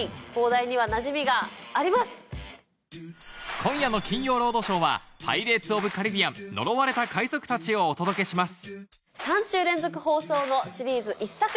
今夜の『金曜ロードショー』は『パイレーツ・オブ・カリビアン呪われた海賊たち』をお届けします